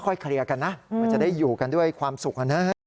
เคลียร์กันนะมันจะได้อยู่กันด้วยความสุขนะ